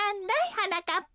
はなかっぱ。